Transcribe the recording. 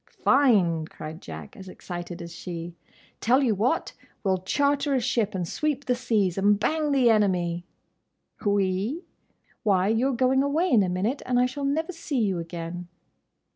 "Fine!" cried Jack, as excited as she. "Tell you what! We 'll charter a ship, and sweep the seas, and bang the enemy!" "'We'?—Why, you're going away in a minute, and I shall never see you again."